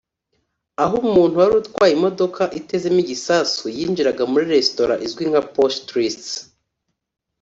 aho umuntu wari utwaye imodoka itezemo igisasu yinjiraga muri restaurant izwi nka Posh Treats